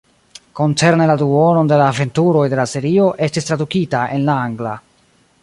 Koncerne la duonon de la aventuroj de la serio estis tradukita en la angla.